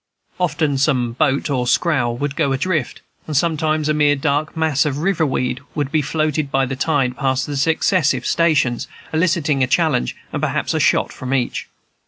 Often some boat or scow would go adrift, and sometimes a mere dark mass of river weed would be floated by the tide past the successive stations, eliciting a challenge and perhaps a shot from each.